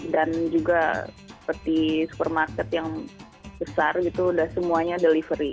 dan juga seperti supermarket yang besar gitu udah semuanya delivery